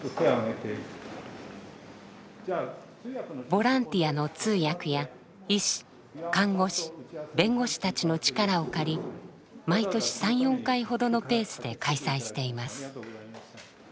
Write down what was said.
ボランティアの通訳や医師看護師弁護士たちの力を借り毎年３４回ほどのペースで開催しています。